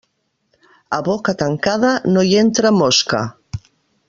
A boca tancada no hi entra mosca.